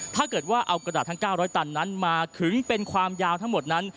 ถ้าเกิดว่าเอากระดาษทั้ง๙๐๐ตันนั้นมาขึงเป็นความยาวทั้งหมดนั้น